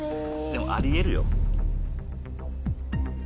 でもあり得るよ。